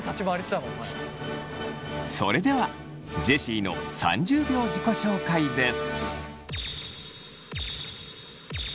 それではジェシーの３０秒自己紹介です。